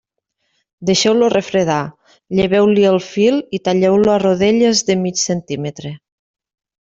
Deixeu-lo refredar, lleveu-li el fil i talleu-lo a rodelles de mig centímetre.